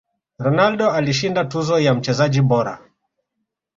ronaldo alishinda tuzo ya mchezaji bora